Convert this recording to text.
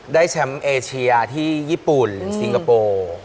ได้แชมป์เอเชียที่ญี่ปุ่นสิงคโปร์